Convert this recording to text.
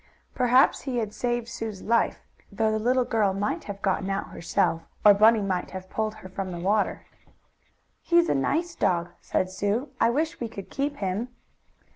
Perhaps he had saved Sue's life, though the little girl might have gotten out herself, or Bunny might have pulled her from the water. "He's a nice dog," said Sue. "I wish we could keep him."